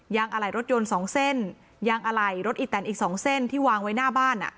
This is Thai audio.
อะไหล่รถยนต์สองเส้นยางอะไหล่รถอีแตนอีกสองเส้นที่วางไว้หน้าบ้านอ่ะ